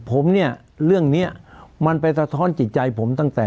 ผมเนี่ยเรื่องเนี้ยมันไปสะท้อนจิตใจผมตั้งแต่